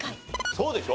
そうでしょ？